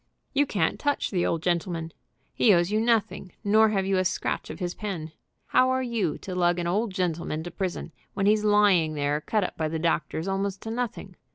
"You can't touch the old gentleman. He owes you nothing, nor have you a scratch of his pen. How are you to lug an old gentleman to prison when he's lying there cut up by the doctors almost to nothing?